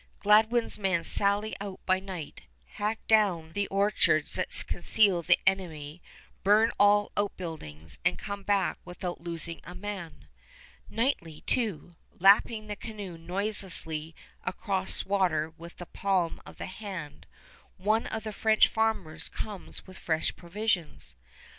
Gladwin's men sally out by night, hack down the orchards that conceal the enemy, burn all outbuildings, and come back without losing a man. Nightly, too, lapping the canoe noiselessly across water with the palm of the hand, one of the French farmers comes with fresh provisions.